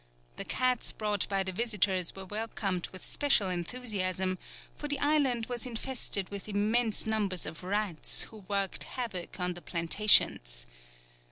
The cats brought by the visitors were welcomed with special enthusiasm, for the island was infested with immense numbers of rats, who worked havoc on the plantations.